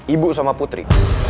ibu sama putri